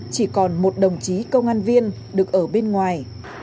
chỉ còn một đồng chí công an viên được ở bên ngoài